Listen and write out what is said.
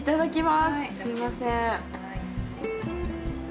すみません。